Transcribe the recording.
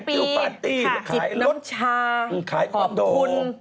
จิตน้ำชาขอบคุณ